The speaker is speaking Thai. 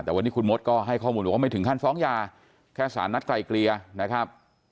แต่วันนี้คุณมดก็ให้ข้อมูลบอกว่าไม่ถึงขั้นฟ้องยาแค่สารนัดไกลเกลียนะครับ